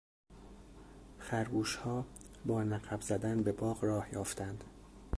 خرگوشها با نقب زدن به باغ راه یافتند.